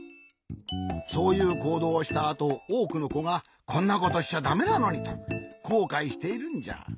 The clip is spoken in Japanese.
そういうこうどうをしたあとおおくのこが「こんなことしちゃだめなのに」とこうかいしているんじゃ。